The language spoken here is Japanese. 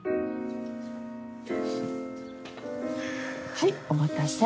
はいお待たせ。